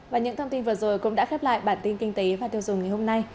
và những thông tin vừa rồi cũng đã khép lại bản tin kinh tế và tiêu dùng ngày hôm nay